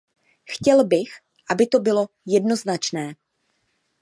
Chtěl bych, aby to bylo jednoznačné.